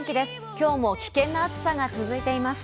今日も危険な暑さが続いています。